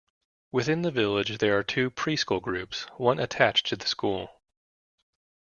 Within the village there are two pre-school groups, one attached to the school.